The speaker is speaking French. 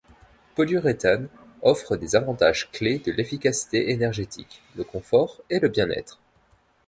Polyuréthanes offrent des avantages clés de l'efficacité énergétique, le confort et le bien-être.